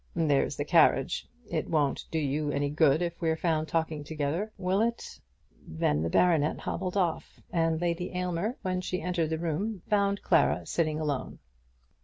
There's the carriage. It won't do you any good if we're found together talking over it all; will it?" Then the baronet hobbled off, and Lady Aylmer, when she entered the room, found Clara sitting alone.